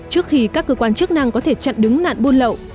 trước khi các cơ quan chức năng có thể chặn đứng nạn buôn lậu